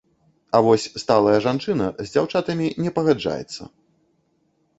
А вось сталая жанчына з дзяўчатамі не пагаджаецца.